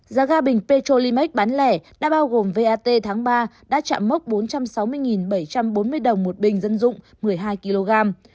giá ga bình petrolimax bán lẻ đã bao gồm vat tháng ba đã chạm mốc bốn trăm sáu mươi bảy trăm bốn mươi đồng một bình dân dụng một mươi hai kg